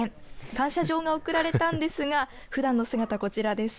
感謝状が贈られたんですがふだんの姿、こちらです。